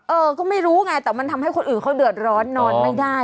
เออก็ไม่รู้ไงแต่มันทำให้คนอื่นเขาเดือดร้อนนอนไม่ได้